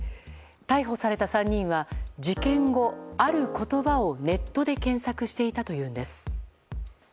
逮捕された３人は事件後、ある言葉をネットで検索していたというんです。